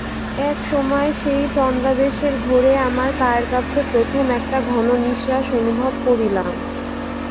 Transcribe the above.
এক সময়ে সেই তন্দ্রাবেশের ঘোরে আমার পায়ের কাছে প্রথমে একটা ঘন নিশ্বাস অনুভব করিলাম।